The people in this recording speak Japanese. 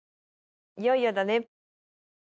「いよいよだねー！！」